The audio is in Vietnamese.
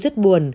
tôi rất buồn